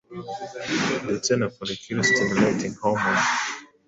ndetse na folliculo stimulating hormone